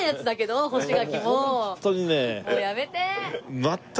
もうやめて！